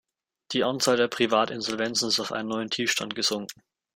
Die Anzahl der Privatinsolvenzen ist auf einen neuen Tiefstand gesunken.